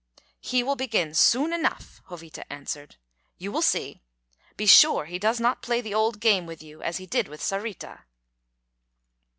"He will begin soon enough," Jovita answered. "You will see. Be sure he does not play the old game with you as he did with Sarita."